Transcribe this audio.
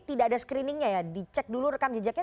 tidak ada screeningnya ya dicek dulu rekam jejaknya